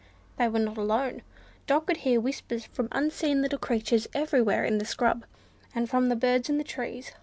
They were not alone. Dot could hear whispers from unseen little creatures everywhere in the scrub, and from birds in the trees.